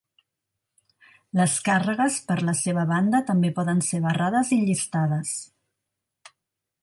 Les càrregues, per la seva banda, també poden ser barrades i llistades.